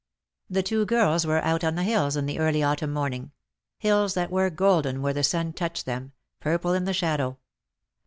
The two girls were out on the hills in the early autumn morning — hills that were golden where the sun touched them^ purple in the shadow.